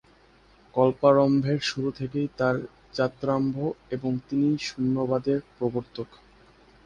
কল্পারম্ভের শুরু থেকেই তাঁর যাত্রারম্ভ এবং তিনিই শূন্যবাদের প্রবর্তক।